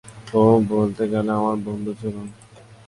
ওহ, বলতে গেলে আমরা বন্ধু ছিলাম।